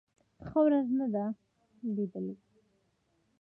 ښه ورځ نه ده لېدلې.